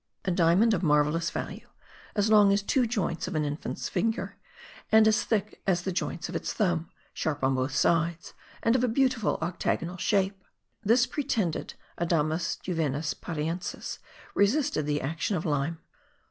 [A diamond of marvellous value, as long as two joints of an infant's finger, and as thick as one of the joints of its thumb, sharp on both sides, and of a beautiful octagonal shape.] This pretended adamas juvenis pariensis resisted the action of lime.